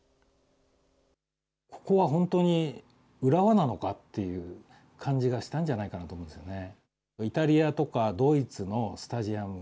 ここは本当に浦和なのかという感じがしたんじゃないかなと思いますよね。